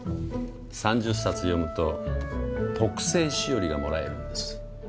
３０冊読むと特製しおりがもらえるんです。